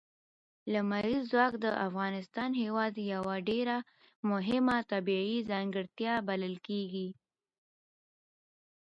لمریز ځواک د افغانستان هېواد یوه ډېره مهمه طبیعي ځانګړتیا بلل کېږي.